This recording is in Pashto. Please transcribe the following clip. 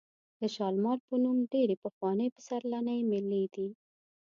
د شالمار په نوم ډېرې پخوانۍ پسرلنۍ مېلې دي.